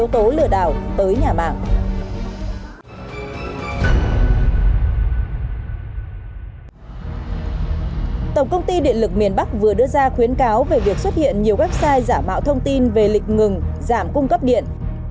tổng công ty điện lực miền bắc vừa đưa ra khuyến cáo về việc xuất hiện nhiều website giả mạo thông tin về lịch ngừng giảm cung cấp điện